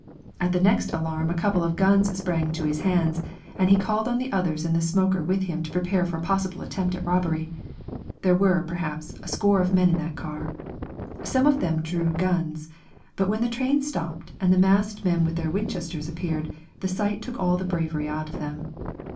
At the next alarm a couple of guns sprang to his hands, and he called on the others in the smoker with him to prepare for a possible attempt at robbery. There were, perhaps, a score of men in that car. Some of them drew guns, but when the train stopped and the masked men with their Winchesters appeared, the sight took all the bravery out of them.